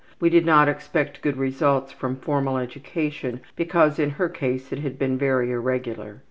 We did not expect good results from formal education because in her case it had been very irregular.